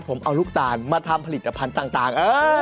ผมเอาลูกตาลมาทำผลิตภัณฑ์ต่าง